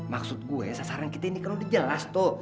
maksud gue sasaran kita ini kalo udah jelas tuh